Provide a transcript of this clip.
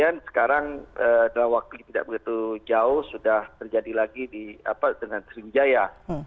dan sekarang dalam waktu yang tidak begitu jauh sudah terjadi lagi dengan terinjaya